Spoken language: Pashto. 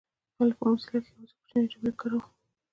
ولي په موزیلا کي یوازي کوچنۍ جملې کاروو؟